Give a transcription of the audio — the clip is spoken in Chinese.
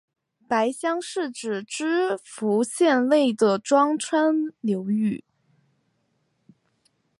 白川乡是指岐阜县内的庄川流域。